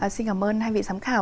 xin cảm ơn hai vị sám khảo